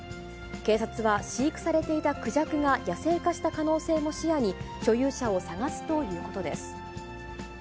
警察は飼育されていたクジャクが野生化した可能性も視野に、所有者を捜すということです。